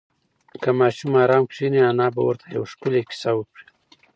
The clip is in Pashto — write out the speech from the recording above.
که ماشوم ارام کښېني، انا به ورته یوه ښکلې کیسه وکړي.